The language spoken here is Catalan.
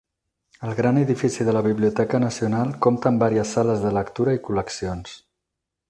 El gran edifici de la Biblioteca Nacional compta amb vàries sales de lectura i col·leccions.